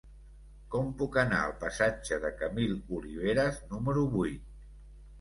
Com puc anar al passatge de Camil Oliveras número vuit?